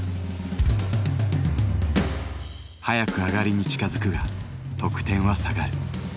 早くアガリに近づくが得点は下がる。